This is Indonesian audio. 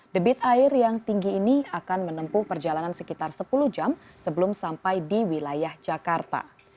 debit air yang tinggi ini akan menempuh perjalanan sekitar sepuluh jam sebelum sampai di wilayah jakarta